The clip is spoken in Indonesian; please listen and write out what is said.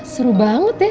seru banget ya